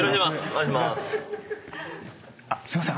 あっすいません。